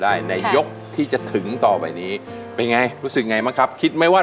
โดยเฉพาะบ้านน้อยนานนี่ก็คือเอกฮาร์มากนะคะ